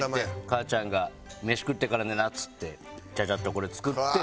母ちゃんが「飯食ってから寝な」っつってちゃちゃっとこれ作って。